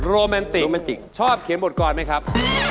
โรแมนติกชอบเขียนบทกรไหมครับ